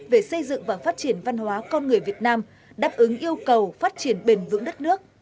về xây dựng và phát triển văn hóa con người việt nam đáp ứng yêu cầu phát triển bền vững đất nước